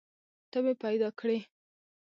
ته مې پیدا کړي